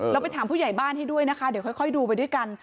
ไปถามผู้ใหญ่บ้านให้ด้วยนะคะเดี๋ยวค่อยดูไปด้วยกัน